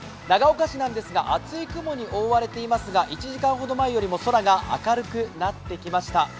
長岡市ですが厚い雲に覆われていますが１時間ほど前よりも空が明るくなってきました。